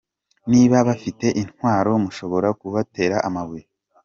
Niba bafite intwaro, mushobora kubatera amabuye.”